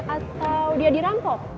atau dia dirampok